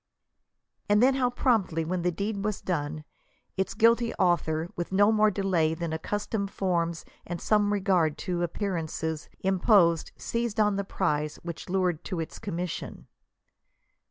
— (See 2 Sam. xi. 11.) And then how promptly, when the deed was done, its guilty author, with no more delay than accustomed forms and some regard to . appearances imposed, seized on the prize which lured to its commission.